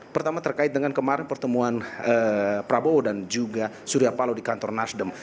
pertama terkait dengan kemarin pertemuan prabowo dan juga surya palo di kantor nasdem